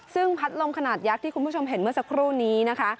ซึ่งพัดลมขนาดยักษ์ที่คุณผู้ชมเห็นเมื่อสักครู่นี้นะคะ